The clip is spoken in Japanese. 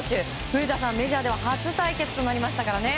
古田さん、メジャーでは初対決となりましたね。